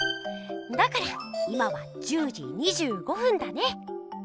だから今は１０じ２５ふんだね！